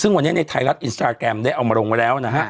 ซึ่งวันนี้ในไทยรัฐอินสตาแกรมได้เอามาลงไว้แล้วนะฮะ